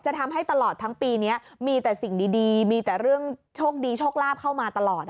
ทำให้ตลอดทั้งปีนี้มีแต่สิ่งดีมีแต่เรื่องโชคดีโชคลาภเข้ามาตลอด